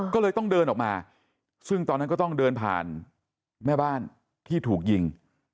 ก็เลยต้องเดินออกมาซึ่งตอนนั้นก็ต้องเดินผ่านแม่บ้านที่ถูกยิง